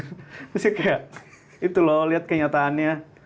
terus dia kayak itu loh liat kenyataannya